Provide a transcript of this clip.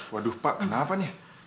waduh pak kenapa nih